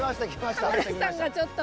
カメラさんがちょっと。